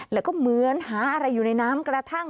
แล้วก็เหมือนหาอะไรอยู่ในน้ำกระทั่ง